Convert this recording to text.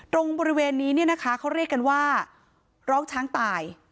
ตรงบริเวณนี้เนี่ยนะคะเขาเรียกกันว่าร้องช้างตาย